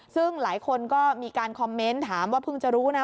ซึ่งหลายคนก็มีการคอมเมนต์ถามว่าเพิ่งจะรู้นะ